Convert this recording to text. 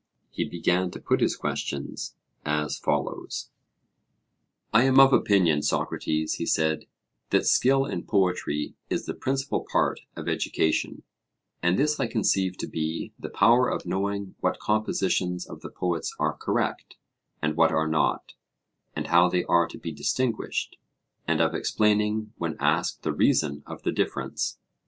He began to put his questions as follows: I am of opinion, Socrates, he said, that skill in poetry is the principal part of education; and this I conceive to be the power of knowing what compositions of the poets are correct, and what are not, and how they are to be distinguished, and of explaining when asked the reason of the difference.